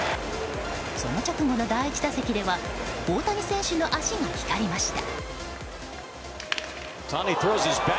その直後の第１打席では大谷選手の足が光りました。